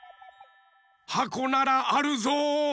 はこならあるぞ。